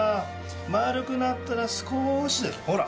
丸くなったら少しだけほら。